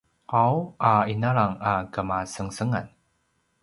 qau a inalang a kemasengesengan